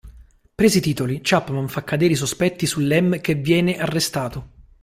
Presi i titoli, Chapman fa cadere i sospetti su Lem che viene arrestato.